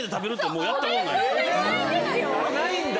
ないんだ